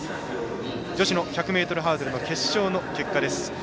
女子の１００ｍハードルの決勝の結果です。